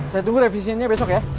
saya tunggu revisinya besok ya